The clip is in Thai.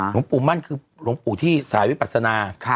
หลวงปู่มั่นคือหลวงปู่ที่สายวิปัสนา